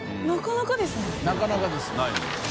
なかなかです。